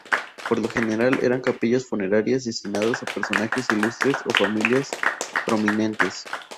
Por lo general eran capillas funerarias destinadas a personajes ilustres o familias prominentes.